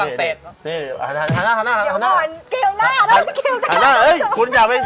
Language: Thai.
อย่าให้ถึงทีกูนะครับ